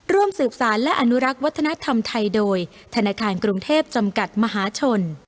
ร่วมสืบสารและอนุรักษ์วัฒนธรรมไทยโดยธนาคารกรุงเทพจำกัดมหาชน